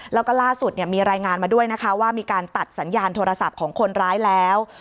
แล้วก็ล่าสุดมีรายงานมาด้วยนะคะว่ามีการตัดสัญญาณโทรศัพท์ของคนร้ายแล้ว